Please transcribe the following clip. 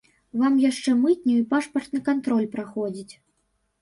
Вам яшчэ мытню і пашпартны кантроль праходзіць.